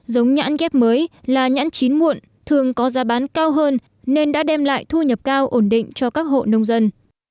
giống nhãn ghép mới là nhãn chín muộn thường có giá bán cao hơn nên đã đem lại thu nhập cao ổn định cho các hộ nông dân